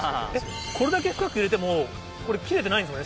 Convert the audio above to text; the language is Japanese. これだけ深く入れても切れてないんですもんね